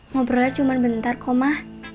ngobrolnya cuma bentar ma